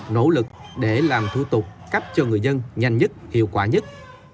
nỗ lực để làm thủ tục cấp cho người dân nhanh nhất hiệu quả nhất